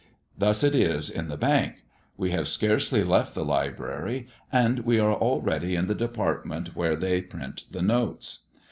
Thus it is in the Bank. We have scarcely left the library, and we are already in the department where they print the notes.